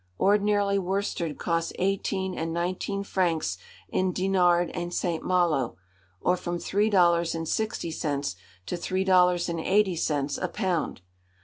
Ordinarily worsted costs eighteen and nineteen francs in Dinard and Saint Malo, or from three dollars and sixty cents to three dollars and eighty cents a pound.